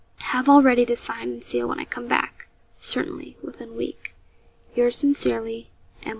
Have all ready to sign and seal when I come back certainly, within a week. 'Yours sincerely, 'M.